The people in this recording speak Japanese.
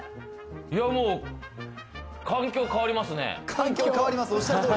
いや、もう環境、変わりますね。